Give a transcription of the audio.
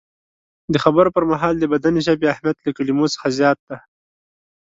د خبرو پر مهال د بدن ژبې اهمیت له کلمو څخه زیات دی.